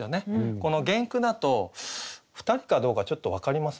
この原句だと２人かどうかちょっと分かりませんよね。